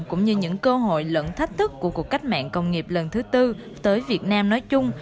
cũng như những cơ hội lẫn thách thức của cuộc cách mạng công nghiệp lần thứ tư tới việt nam nói chung